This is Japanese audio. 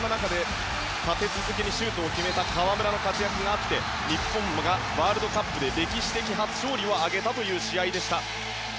立て続けにシュートを決めた河村の活躍があって日本がワールドカップで歴史的初勝利を挙げた試合でした。